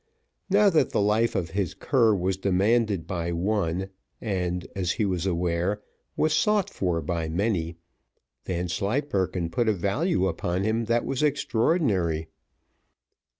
Now that the life of his cur was demanded by one, and, as he was aware, was sought for by many, Vanslyperken put a value upon him that was extraordinary.